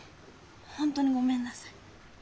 ほんとにごめんなさい。